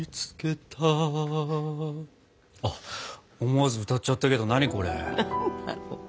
思わず歌っちゃったけど何これ？何なの。